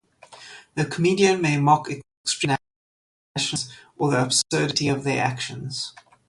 The comedian may mock extreme nationalist movements or the absurdity of their actions.